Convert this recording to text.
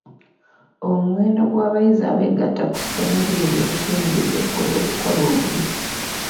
Omuwendo gw'abayizi abeegatta ku ssomero eryo gukendedde olw'okukola obubi.